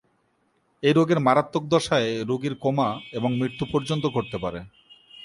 এই রোগের মারাত্মক দশায় রোগীর কোমা এবং মৃত্যু পর্যন্ত ঘটতে পারে।